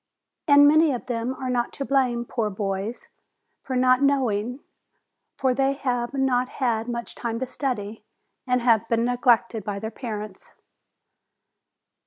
And many of them are not to blame, poor boys, for not knowing, for they have not had much time to study, and have been neg lected by their parents.